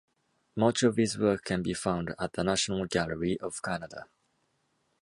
Much of his work can be found at the National Gallery of Canada.